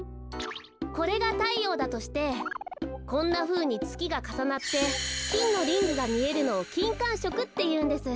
これがたいようだとしてこんなふうにつきがかさなってきんのリングがみえるのをきんかんしょくっていうんです。